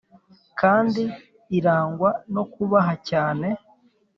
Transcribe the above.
kandi irangwa no kubaha cyane